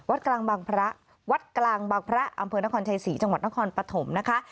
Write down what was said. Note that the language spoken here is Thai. กลางบางพระวัดกลางบางพระอำเภอนครชัยศรีจังหวัดนครปฐมนะคะ